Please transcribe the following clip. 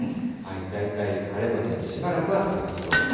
大体晴れの天気、しばらくは続きそうです。